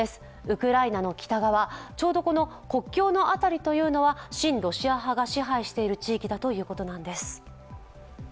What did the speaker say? ウクライナの北側、ちょうど国境の辺りというのは親ロシア派が支配している地域だということなんです。